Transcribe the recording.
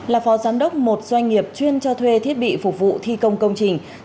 là phó giám đốc một doanh nghiệp chuyên cho thuê thiết bị phục vụ thi công công trình